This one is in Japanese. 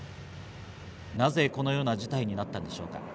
なぜこのような事態なったのでしょうか？